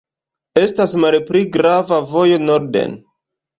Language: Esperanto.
Estas malpli grava vojo norden.